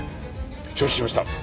承知しました。